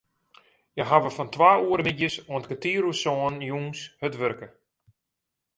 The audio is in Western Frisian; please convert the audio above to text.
Hja hawwe fan twa oere middeis oant kertier oer sânen jûns hurd wurke.